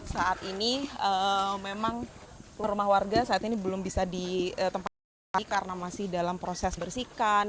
saat ini memang rumah warga saat ini belum bisa ditempatkan lagi karena masih dalam proses bersihkan